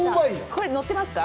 これ載ってますか？